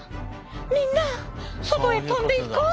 みんな外へ飛んでいこう！